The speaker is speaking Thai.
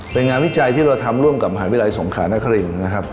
เป็นงานวิจัยที่เราทำร่วมกับมหาวิทยาลัยสงขานครินนะครับ